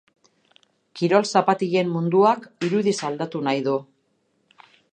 Kirol-zapatilen munduak irudiz aldatu nahi du.